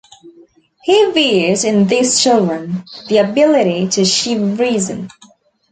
He viewed in these children the ability to achieve reason.